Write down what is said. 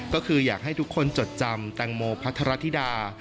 ก็คืออยากให้ทุกคนจดจำแตงโมพัทรธิดา